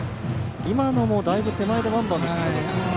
今のもだいぶ手前でワンバウンドしましたね。